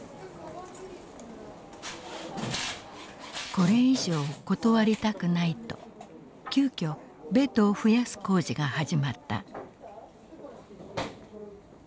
これ以上断りたくないと急きょベッドを増やす工事が始まった。